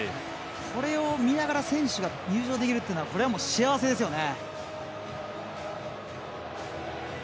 これを見ながら選手が入場できるというのはこれは幸せですよね。